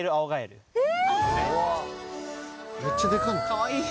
かわいい